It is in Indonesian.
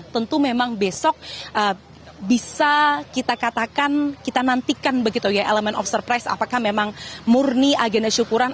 tentu memang besok bisa kita katakan kita nantikan begitu ya elemen of surprise apakah memang murni agenda syukuran